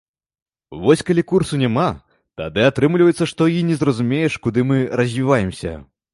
Вось калі курсу няма, тады атрымліваецца, што і не зразумееш, куды мы развіваемся.